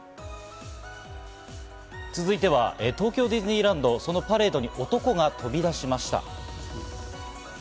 続いては、東京ディズニーランド、そのパレードに男が飛び出しました。